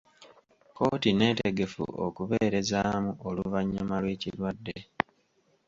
Kkooti neetegefu okubeerezaamu oluvannyuma lw'ekirwadde.